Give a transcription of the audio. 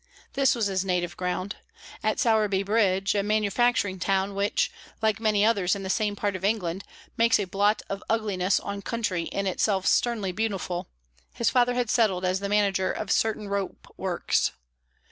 This was his native ground. At Sowerby Bridge, a manufacturing town, which, like many others in the same part of England, makes a blot of ugliness on country in itself sternly beautiful, his father had settled as the manager of certain rope works.